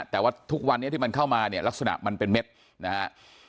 แต่ว่าทุกวันนี้ที่มันเข้ามาเนี่ยลักษณะมันเป็นเม็ดนะฮะ